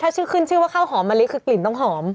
ถ้าชื่อขึ้นชื่อว่าข้าวหอมมะลิคือกลิ่นต้องหอม